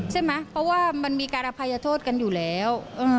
ใช่ไหมเพราะว่ามันมีการอภัยโทษกันอยู่แล้ว